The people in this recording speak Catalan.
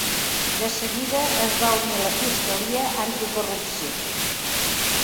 De seguida es va unir la fiscalia anticorrupció.